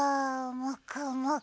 もくもく。